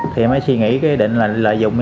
thì mới suy nghĩ cái định là lợi dụng